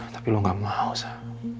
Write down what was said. tapi lo gak mau sah